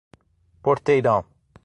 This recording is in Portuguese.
Porteirão